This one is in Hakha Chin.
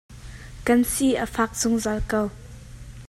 Kan si a fak zungzal ko.